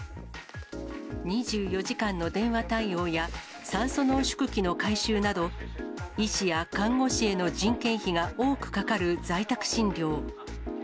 ２４時間の電話対応や、酸素濃縮器の回収など、医師や看護師への人件費が多くかかる在宅診療。